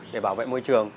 để bảo vệ môi trường